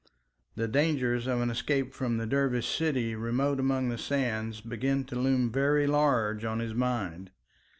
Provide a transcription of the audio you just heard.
The dangers of an escape from the Dervish city remote among the sands began to loom very large on his mind.